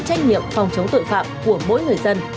trách nhiệm phòng chống tội phạm của mỗi người dân